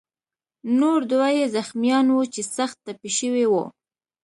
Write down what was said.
نور دوه یې زخمیان وو چې سخت ټپي شوي وو.